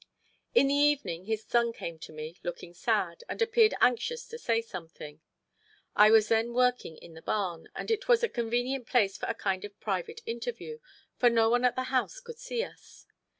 In the evening his son came to me, looking sad, and appeared anxious to say something. I was then working in the barn, and it was a convenient place for a kind of private interview, for no one at the house could see us.